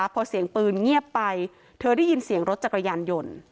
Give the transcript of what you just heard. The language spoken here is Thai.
พอเสียงปืนเงียบไปเธอได้ยินเสียงรถจักรยานยนต์